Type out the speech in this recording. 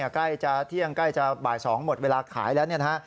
ใกล้เที่ยงใกล้จะบ่าย๒หมดเวลาขายแล้ว